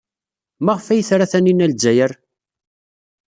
Maɣef ay tra Taninna Lezzayer?